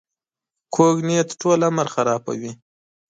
کوږ نیت ټول عمر خرابوي